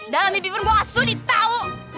dalam mimpi pun gue gak sudi tau